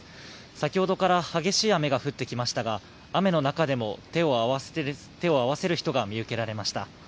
先ほどから激しい雨が降ってきましたが雨の中でも手を合わせる人が見受けられました。